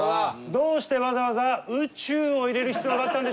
どうしてわざわざ「宇宙」を入れる必要があったんでしょうか？